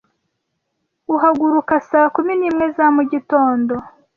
Uhaguruka saa kumi nimwe za mugitondo.